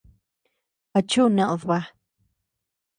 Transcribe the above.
¿A chuu ned baa?